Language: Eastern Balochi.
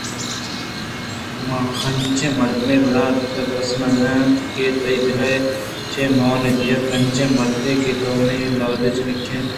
تو انچیں مردمے ءِ وڑاکہ کس نہ زانت تئی دل ءِ چے مان اِنت ؟یک انچیں مردمے ءِ کہ تومئے لاڑ کُیں جنک ءِ دل گوں وت برتگ ءُآئی ءِ زند ءُجندگار ءُگوٛرکُتگ